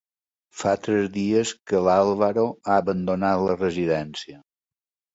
Fa tres dies que l'Álvaro ha abandonat la residència.